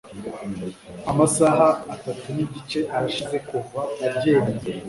Amasaha atatu nigice arashize kuva agenda.